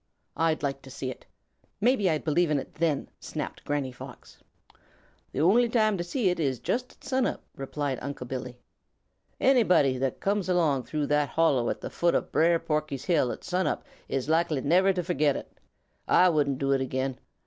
"Huh! I'd like to see it! Maybe I'd believe it then!" snapped Granny Fox. "The only time to see it is just at sun up," replied Unc' Billy. "Anybody that comes along through that hollow at the foot of Brer Porky's hill at sun up is likely never to forget it. Ah wouldn't do it again.